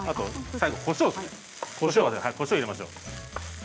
最後、こしょうこしょうを入れましょう。